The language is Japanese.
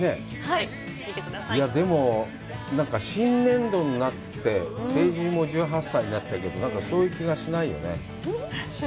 でも、なんか新年度になって、成人も１８歳になったけど、なんかそういう気がしないよね。